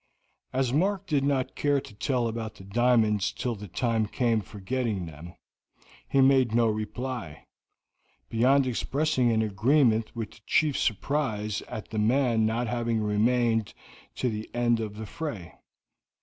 As Mark did not care to tell about the diamonds till the time came for getting them, he made no reply, beyond expressing an agreement with the chief's surprise at the man not having remained to the end of the fray.